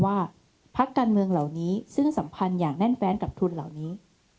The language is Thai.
ว่าพักการเมืองเหล่านี้ซึ่งสัมพันธ์อย่างแน่นแฟนกับทุนเหล่านี้